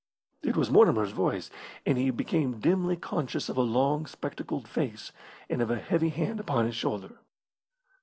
It was Mortimer's voice, and he became dimly conscious of a long, spectacled face, and of a heavy hand upon his shoulder.